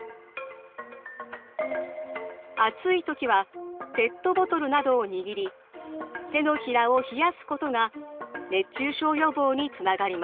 暑い時はペットボトルなどを握り手のひらを冷やすことが熱中症予防につながります。